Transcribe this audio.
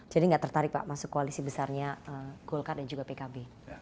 jadi gak tertarik pak masuk koalisi besarnya golkar dan juga pkb